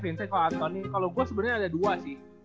vincent cole anthony kalau gue sebenernya ada dua sih